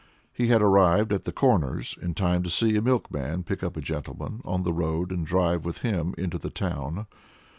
He had arrived at the Corners in time to see a milkman pick up a gentleman on the road and drive with him into the town.